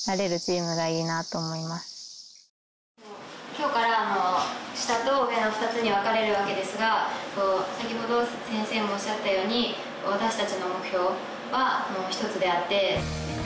今日から下と上の２つに分かれるわけですが先ほど先生もおっしゃったように私たちの目標は１つであって。